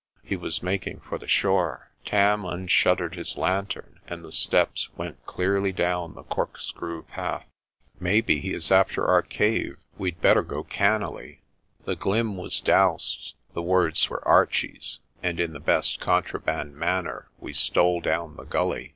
He was making for the shore. Tam unshuttered his lantern, and the steps went clearly down the corkscrew path. "Maybe he is after our cave. We'd better go cannily." The glim was dowsed the words were Archie's and in the best contraband manner we stole down the gully.